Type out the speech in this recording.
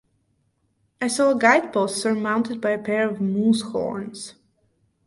I saw a guidepost surmounted by a pair of moose-horns.